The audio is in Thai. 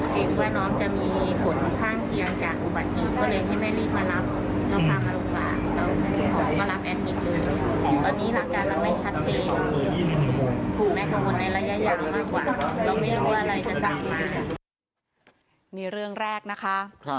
เจ้ามันน้องจะมีผลข้างเคียงจากวั